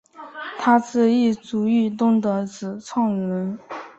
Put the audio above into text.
他是艺术运动的始创人。